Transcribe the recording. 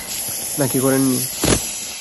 না কি করেননি?